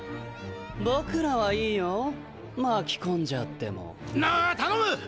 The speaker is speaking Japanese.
僕らはいいよ巻き込んじゃっても。なぁ頼む！